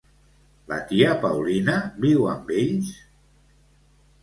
La tia Paulina viu amb ells?